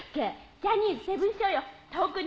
ジャニーズセブンショーよ。